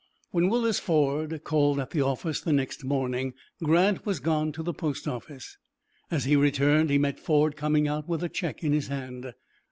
When Willis Ford called at the office the next morning Grant was gone to the post office. As he returned he met Ford coming out with a check in his hand.